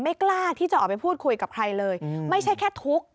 กล้าที่จะออกไปพูดคุยกับใครเลยไม่ใช่แค่ทุกข์